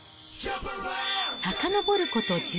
さかのぼること